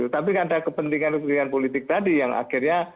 tapi kan ada kepentingan kepentingan politik tadi yang akhirnya